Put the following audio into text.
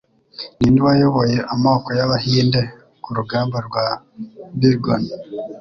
Ninde wayoboye amoko y'abahinde kurugamba rwa Bighorn?